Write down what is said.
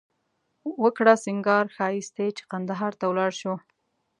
وکړه سینگار ښایښتې چې قندهار ته ولاړ شو